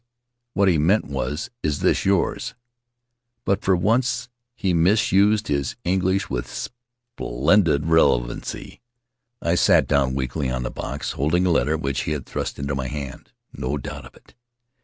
What he meant was, "Is this yours?" but for once he misused his English with splendid relevancy. I sat down weakly on the box, holding a letter which he had thrust into my hand. No doubt of it.